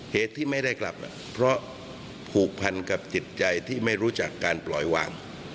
เหตุที่ไม่ได้กลับเพราะผูกพันกับจิตใจที่ไม่รู้จักการปล่อยวาง